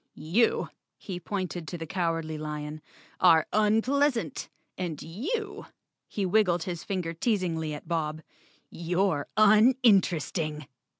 You," he pointed to the Cowardly Lion, "are unpleasant. And you," he wiggled his finger teasingly at Bob, "you're uninteresting!"